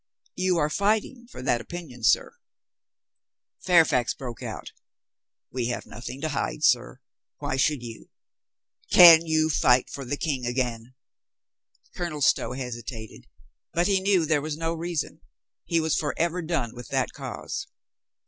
"You are fighting for that opinion, sir." Fairfax broke out. "We have nothing to hide, sir. Why should you? Can you fight for the King again?" Colonel Stow hesitated. But he knew there was no reason. He was for ever done with that cause.